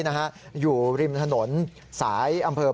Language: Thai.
พระขู่คนที่เข้าไปคุยกับพระรูปนี้